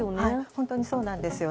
本当にそうなんです。